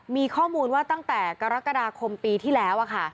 มีข้อมูลว่าตั้งแต่กรกฎาคมปีที่แล้ว